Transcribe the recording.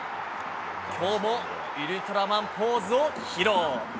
今日もウルトラマンポーズを披露。